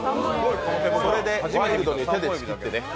それでワイルドに手でちぎってね。